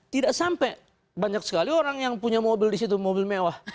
tidak sampai banyak sekali orang yang punya mobil di situ mobil mewah